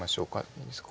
いいですか。